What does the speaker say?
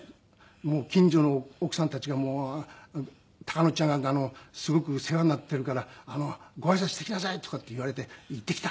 「近所の奥さんたちがもう“孝則ちゃんがすごく世話になってるからご挨拶してきなさい”とかって言われて行ってきた」。